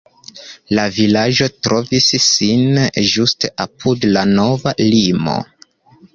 La vilaĝo trovis sin ĝuste apud la nova limo.